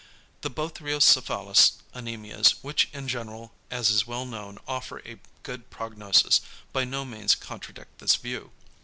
The Bothriocephalus anæmias, which in general as is well known offer a good prognosis, by no means contradict this view.